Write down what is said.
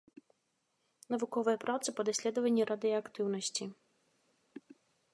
Навуковыя працы па даследаванні радыеактыўнасці.